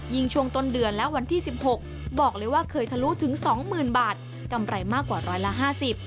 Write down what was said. ยิงช่วงต้นเดือนและวันที่๑๖บอกเลยว่าเคยทะลุถึง๒๐๐๐๐บาทกำไรมากกว่าร้อยละ๕๐